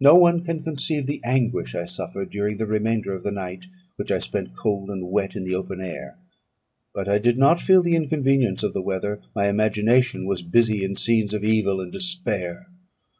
No one can conceive the anguish I suffered during the remainder of the night, which I spent, cold and wet, in the open air. But I did not feel the inconvenience of the weather; my imagination was busy in scenes of evil and despair.